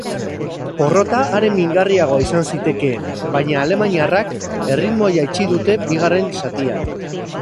Porrota are mingarriagoa izan ziteken, baina alemaniarrak erritmoa jaitsi dute bigarren zatian.